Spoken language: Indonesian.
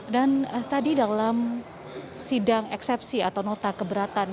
dan tadi dalam sidang eksepsi atau nota keberatan